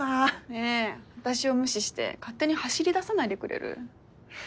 ねえあたしを無視して勝手に走りださないでくれる？